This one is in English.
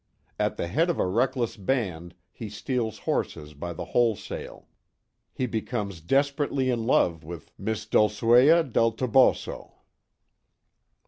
AT THE HEAD OF A RECKLESS BAND, HE STEALS HORSES BY THE WHOLESALE. HE BECOMES DESPERATELY IN LOVE WITH MISS DULCUIEA DEL TOBOSO.